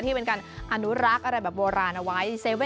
เป็นการอนุรักษ์อะไรแบบโบราณเอาไว้